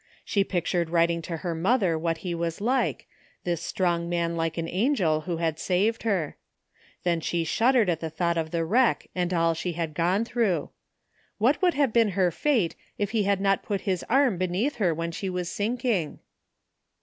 She pictured writing to her mother what he was like, this strong man like an angel who had saved her. Then she shuddered at the thought of the wreck and all she had gone through. What would have been her fate if he had not put his arm beneath her when she was sinking?